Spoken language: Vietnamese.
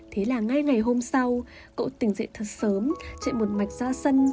thế là ngay ngày hôm sau cậu tỉnh dậy thật sớm chạy một mạch ra sân